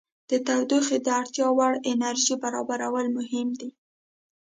د تودوخې د اړتیا وړ انرژي برابرول مهم دي.